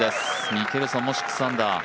ミケルソンも６アンダー。